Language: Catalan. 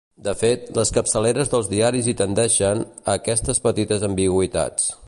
De fet, les capçaleres dels diaris hi tendeixen, a aquestes petites ambigüitats.